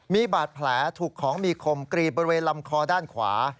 มีบาดแผลถูกของมีคมกรีดบริเวณลำคอด้านขวา